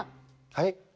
はい？